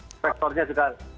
yang sama sektornya juga